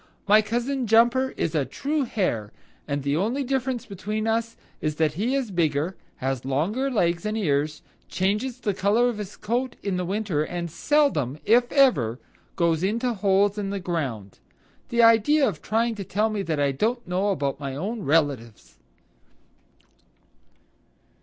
My cousin Jumper is a true Hare, and the only difference between us is that he is bigger, has longer legs and ears, changes the color of his coat in winter, and seldom, if ever, goes into holes in the ground. The idea of trying to tell me I don't know about my own relatives."